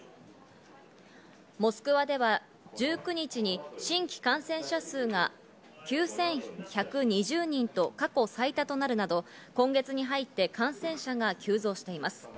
モスクワでは１９日に新規感染者数が９１２０人と過去最多となるなど、今月に入って感染者が急増しています。